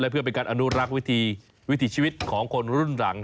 เพื่อเป็นการอนุรักษ์วิถีชีวิตของคนรุ่นหลัง